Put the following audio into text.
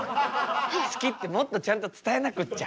好きってもっとちゃんと伝えなくっちゃ。